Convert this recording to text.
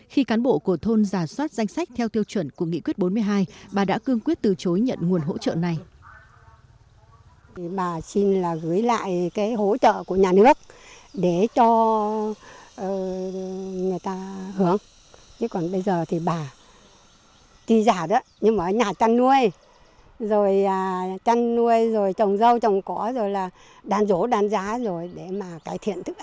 khi cán bộ của thôn giả soát danh sách theo tiêu chuẩn của nghị quyết bốn mươi hai bà đã cương quyết từ chối nhận nguồn hỗ trợ này